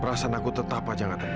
perasaan aku tetapa jangka tenang